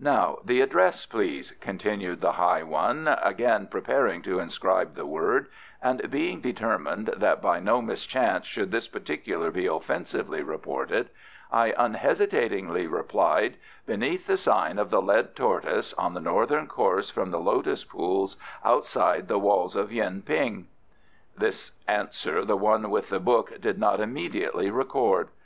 "Now the address, please," continued the high one, again preparing to inscribe the word, and being determined that by no mischance should this particular be offensively reported, I unhesitatingly replied, "Beneath the Sign of the Lead Tortoise, on the northern course from the Lotus Pools outside the walls of Yuen ping." This answer the one with the book did not immediately record.